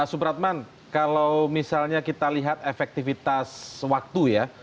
pak supratman kalau misalnya kita lihat efektivitas waktu ya